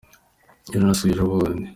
narabasuye ejobundi.